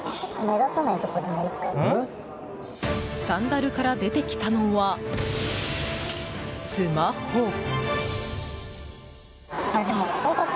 サンダルから出てきたのはスマホ。